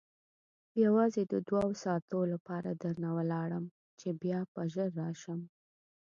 یوازې د دوو ساعتو لپاره درنه ولاړم چې بیا به ژر راشم.